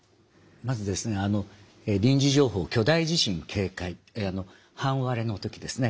まずですね臨時情報巨大地震警戒半割れの時ですね。